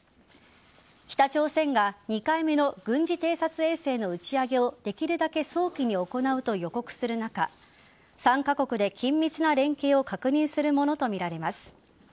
北朝鮮が２回目の軍事偵察衛星の打ち上げをできるだけ早期に行うと予告する中３カ国で緊密な連携を確認するものとみられます。